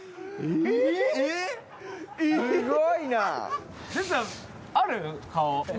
・すごいな・